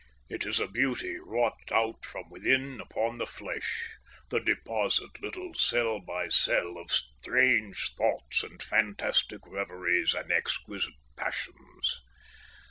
It is a beauty wrought out from within upon the flesh, the deposit, little cell by cell, of strange thoughts and fantastic reveries and exquisite passions.